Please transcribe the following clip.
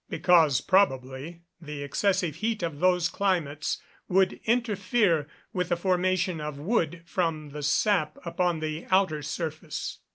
_ Because, probably, the excessive heat of those climates would interfere with the formation of wood from the sap upon the outer surface.